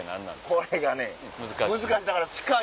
これがね難しい。